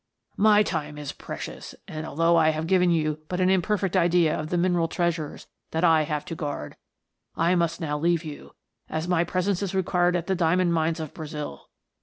" My time is precious, and although I have given you but an imperfect idea of the mineral treasures that I have to guard, I must now leave you, as my presence is required at the diamond mines of Brazil.